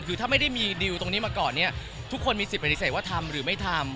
คือถ้าไม่ได้มีดีลตรงนี้มาก่อนเนี่ยทุกคนมีสิทธิปฏิเสธว่าทำหรือไม่ทำ